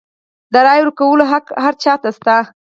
د رایې ورکولو حق هر چا ته شته.